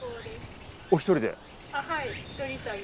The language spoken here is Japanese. お一人で？